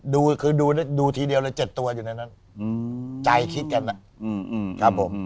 ดูคือดูดูทีเดียวเลยเจ็ดตัวอยู่ในนั้นอืมใจคิดกันอ่ะอืมอืมครับผม